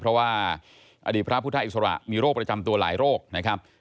เพราะว่าอดีตพระพุทธอิสระมีโรคประจำตัวหลายโรคนะครับ